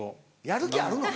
やる気あるの？